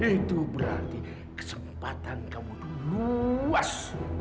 itu berarti kesempatan kamu luas